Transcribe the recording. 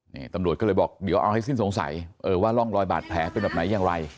นี่ตำรวจก็เลยบอกเดี๋ยวเอาให้สิ้นสงสัยเออว่าร่องรอยบาดแผลเป็นแบบไหนอย่างไร